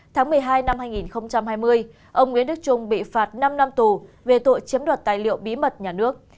tháng một mươi hai năm hai nghìn hai mươi ông nguyễn đức trung bị phạt năm năm tù về tội chiếm đoạt tài liệu bí mật nhà nước